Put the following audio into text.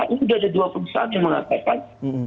ini sudah ada dua perusahaan yang mengatakan